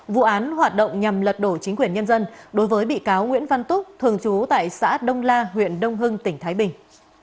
vụ án hoạt động nhằm lật đổ chính quyền nhân dân đối với bị cáo nguyễn văn túc thường trú tại xã đông la huyện đông hưng tỉnh thái bình